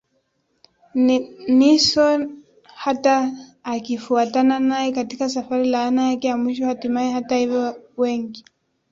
Nixon hata akifuatana naye katika safari laana yake ya mwisho Hatimaye hata hivyo wengi